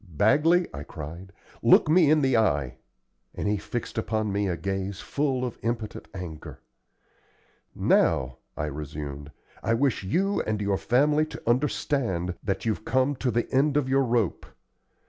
"Bagley," I cried, "look me in the eye." And he fixed upon me a gaze full of impotent anger. "Now," I resumed, "I wish you and your family to understand that you've come to the end of your rope.